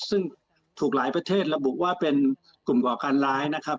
ซึ่งถูกหลายประเทศระบุว่าเป็นกลุ่มก่อการร้ายนะครับ